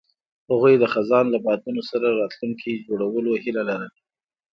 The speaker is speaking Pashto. هغوی د خزان له یادونو سره راتلونکی جوړولو هیله لرله.